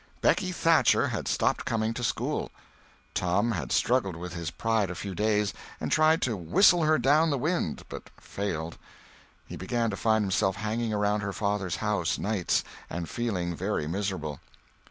Becky Thatcher had stopped coming to school. Tom had struggled with his pride a few days, and tried to "whistle her down the wind," but failed. He began to find himself hanging around her father's house, nights, and feeling very miserable.